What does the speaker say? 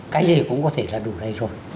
cái gì cũng có thể là đủ đầy rồi